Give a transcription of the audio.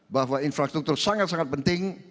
bahwa infrastruktur sangat sangat penting